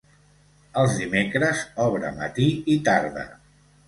Els dimecres obre matí i tarda.